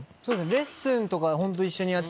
レッスンとか一緒にやってたし